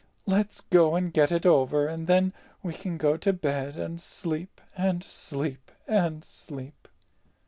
Let's go and get it over, and then we can go to bed and sleep, and sleep, and sleep."